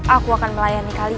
aku akan mencari kebaikanmu